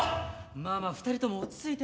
まあまあ２人とも落ち着いて。